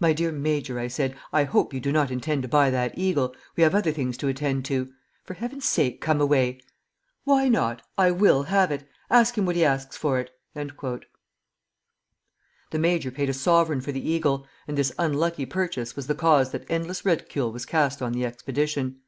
'My dear Major,' I said, 'I hope you do not intend to buy that eagle. We have other things to attend to. For Heaven's sake, come away!' 'Why not? I will have it. Ask him what he asks for it.'" The major paid a sovereign for the eagle, and this unlucky purchase was the cause that endless ridicule was cast on the expedition.